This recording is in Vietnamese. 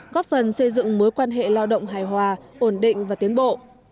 góp phần xây dựng mối quan hệ lao động hài hòa ổn định và tiến bộ